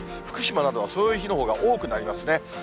福島などはそういう日のほうが多くなりますね。